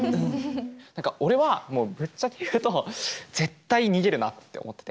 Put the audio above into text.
何か俺はもうぶっちゃけ言うと絶対逃げるなって思ってて。